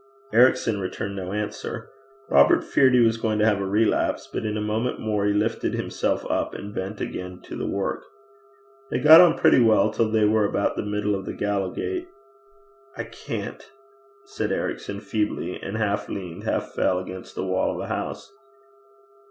Ericson returned no answer. Robert feared he was going to have a relapse; but in a moment more he lifted himself up and bent again to the brae. They got on pretty well till they were about the middle of the Gallowgate. 'I can't,' said Ericson feebly, and half leaned, half fell against the wall of a house.